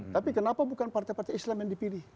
tapi kenapa bukan partai partai islam yang dipilih